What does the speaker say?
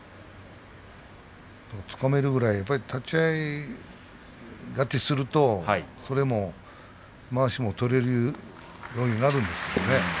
つかめるぐらい立ち合い勝ちするとまわしも取れるようになるんですけどね。